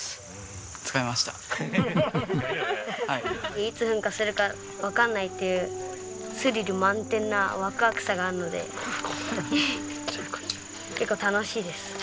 いつ噴火するかわからないっていうスリル満点なワクワクさがあるので結構楽しいです。